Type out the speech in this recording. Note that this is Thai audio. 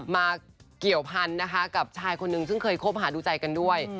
เกี่ยวพันธุ์นะคะกับชายคนนึงซึ่งเคยคบหาดูใจกันด้วย